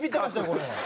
これ。